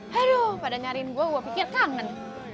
heru pada nyariin gue gue pikir kangen